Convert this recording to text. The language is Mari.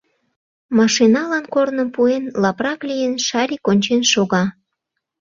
Машиналан корным пуэн, лапрак лийын, Шарик ончен шога.